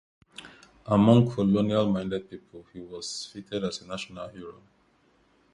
Among colonial minded people he was feted as a national hero.